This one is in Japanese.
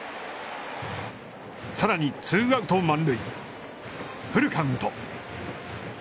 さらに、ツーアウト、満塁フルカウント。